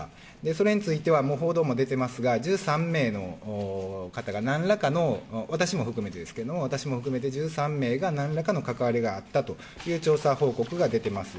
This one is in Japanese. それについては、もう報道も出てますが、１３名の方が、なんらかの、私も含めてですけれども、私も含めて１３名の方がなんらかの関わりがあったという調査報告が出ています。